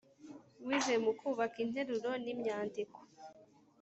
Wize mu kubaka interuro n’imyandiko.